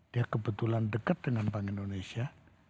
dia kebetulan dekat dengan bank indonesia